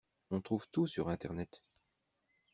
On trouve tout sur internet!